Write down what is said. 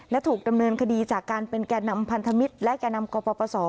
และถูกดำเนินคดีจากการเป็นแก่นำพันธมิตรและแก่นำกปศ